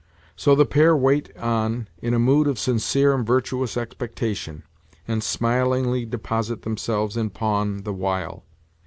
So, the pair wait on in a mood of sincere and virtuous expectation, and smilingly deposit themselves in pawn the while.